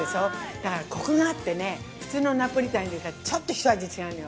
だからコクがあってね普通のナポリタンよりかちょっと一味違うのよ。